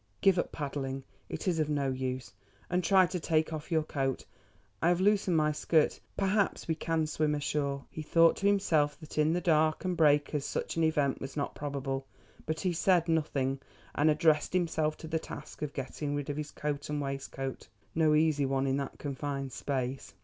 "Give up paddling, it is of no use, and try to take off your coat. I have loosened my skirt. Perhaps we can swim ashore." He thought to himself that in the dark and breakers such an event was not probable, but he said nothing, and addressed himself to the task of getting rid of his coat and waistcoat—no easy one in that confined space.